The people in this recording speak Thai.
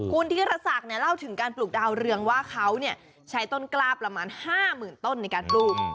คุณธิรษักเล่าถึงการปลูกดาวเรืองว่าเขาใช้ต้นกล้าประมาณ๕๐๐๐ต้นในการปลูก